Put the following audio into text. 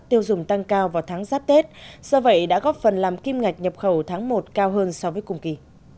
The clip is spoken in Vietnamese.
tiêu dùng tăng cao vào tháng giáp tết do vậy đã góp phần làm kim ngạch nhập khẩu tháng một cao hơn so với cùng kỳ